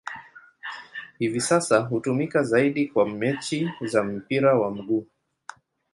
Hivi sasa hutumika zaidi kwa mechi za mpira wa miguu.